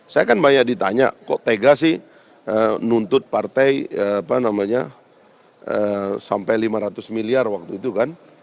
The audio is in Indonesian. saya kan banyak ditanya kok tega sih nuntut partai apa namanya sampai lima ratus miliar waktu itu kan